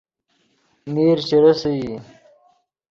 میر چے ریسئی